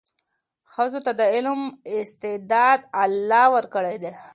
ښځو ته د علم استعداد الله ورکړی دی.